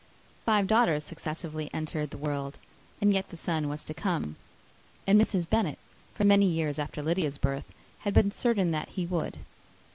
Five daughters successively entered the world, but yet the son was to come; and Mrs. Bennet, for many years after Lydia's birth, had been certain that he would.